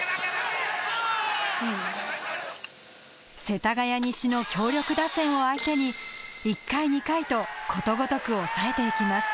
世田谷西の強力打線を相手に１回２回とことごとく抑えて行きます